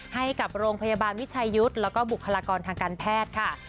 ให้กับโรงพยาบาลวิชัยยุทธ์แล้วก็บุคลากรทางการแพทย์ค่ะ